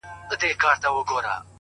پرېږدی په اور يې اوربل مه ورانوی٫